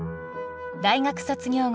大学卒業後